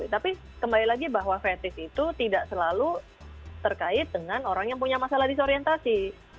tapi kembali lagi bahwa fetis itu tidak selalu terkait dengan orang yang punya masalah disorientasi